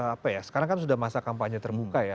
apa ya sekarang kan sudah masa kampanye terbuka ya